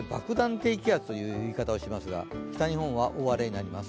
低気圧という言い方をしますが、北日本は大荒れになります。